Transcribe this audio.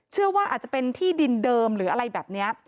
เชื่อว่าอาจจะเป็นที่ดินเดิมหรืออะไรแบบนี้